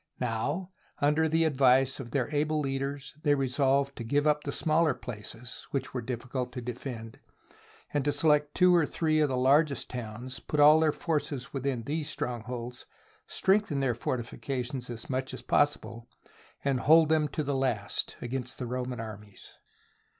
Now, under the advice of their able leaders they resolved to give up the smaller places, which were difficult to defend, to select two or three of the largest towns, put all their forces within these strongholds, strengthen their fortifications as much as possible, and to hold them to the last against the Roman armies.